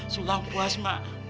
sulam puas mak